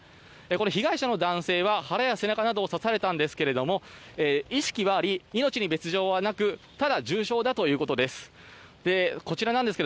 この被害者の男性は腹や背中などを刺されたんですけども意識はあり命に別条はなくただ重傷だということです。